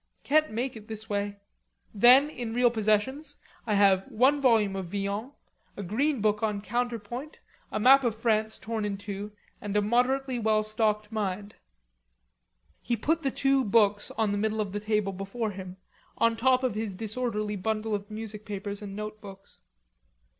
Can't make it this way. Then, in real possessions, I have one volume of Villon, a green book on counterpoint, a map of France torn in two, and a moderately well stocked mind." He put the two books on the middle of the table before him, on top of his disorderly bundle of music papers and notebooks.